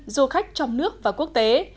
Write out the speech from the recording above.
du khách trong nước và quốc tế